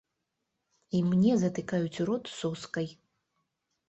І мне затыкаюць рот соскай.